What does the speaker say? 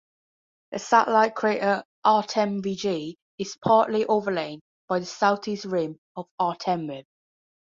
The satellite crater Artem'ev G is partly overlain by the southeast rim of Artem'ev.